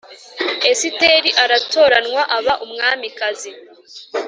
Esiteri aratoranywa aba umwamikazi